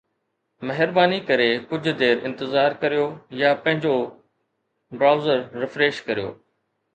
مھرباني ڪري ڪجھ دير انتظار ڪريو يا پنھنجو برائوزر ريفريش ڪريو